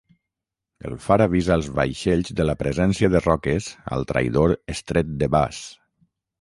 El far avisa els vaixells de la presència de roques al traïdor Estret de Bass.